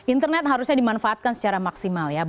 internet harusnya dimanfaatkan secara maksimal ya